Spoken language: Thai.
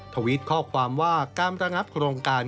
ทวิตข้อความว่าการระงับโครงการ